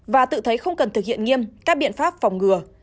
và tự thấy không cần thực hiện nghiêm các biện pháp phòng ngừa